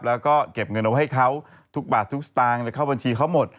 แล้วก็เก็บเงินเอาไว้ให้เขาทุกบาททุกสตางค์เลยเข้าบัญชีเขาหมด